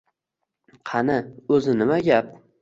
Qani, o‘zi nima gap